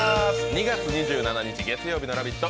２月２７日月曜日の「ラヴィット！」